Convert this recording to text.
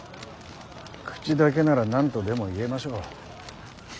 口だけなら何とでも言えましょう。